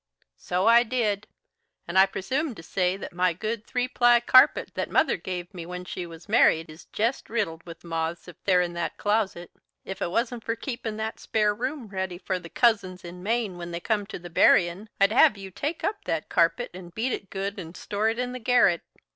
"So I did. And I presume to say that my good three ply carpet that mother gave me when we was married is jest reddled with moths if they're in that closet. If it wasn't for keepin' that spare room ready for the cousins in Maine when they come to the buryin', I'd have you take up that carpet and beat it good and store it in the garret.